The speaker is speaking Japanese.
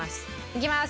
いきます！